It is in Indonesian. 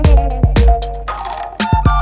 kau mau kemana